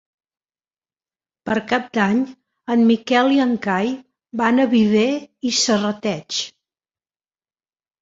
Per Cap d'Any en Miquel i en Cai van a Viver i Serrateix.